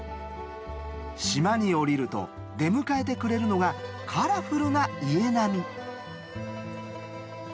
島に降りると出迎えてくれるのがカラフルな家並み。